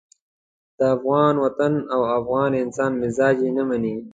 د افغان وطن او افغان انسان مزاج یې نه مني.